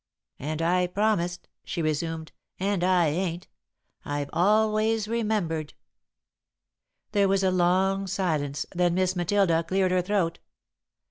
"And I promised," she resumed, "and I ain't. I've always remembered." There was a long silence, then Miss Matilda cleared her throat.